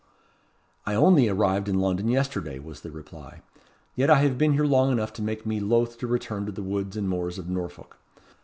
"I only arrived in London yesterday," was the reply; "yet I have been here long enough to make me loth to return to the woods and moors of Norfolk.